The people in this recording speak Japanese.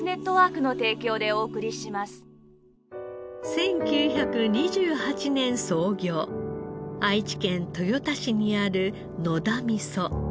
１９２８年創業愛知県豊田市にあるのだみそ。